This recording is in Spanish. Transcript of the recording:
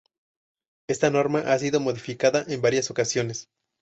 Esta norma ha sido modificada en varias ocasiones.